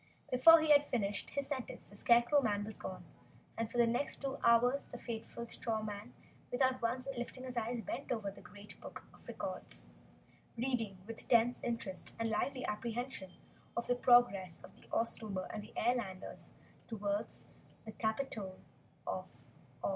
Before he had finished his sentence the Scarecrow was gone, and for the next two hours the faithful Straw Man, without once lifting his eyes, bent over the great book of records, reading with tense interest and lively apprehension of the progress of the Oztober and the Airlanders toward the Capitol of Oz.